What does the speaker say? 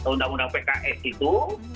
undang undang pks itu